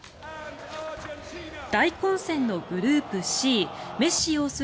大混戦のグループＣメッシ擁する